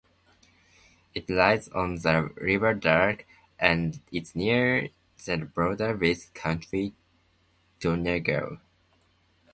It lies on the River Derg and is near the border with County Donegal.